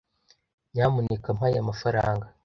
Nyamuneka mpa aya mafaranga.